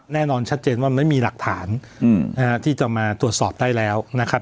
แน่นอนชัดเจนว่าไม่มีหลักฐานที่จะมาตรวจสอบได้แล้วนะครับ